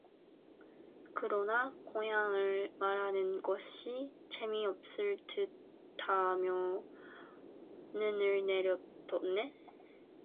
그러나 고향을 말하는 것이 재미없을 듯 하여 눈을 내려떴다.